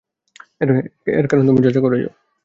এর কারন তুমি যা যা করেছো।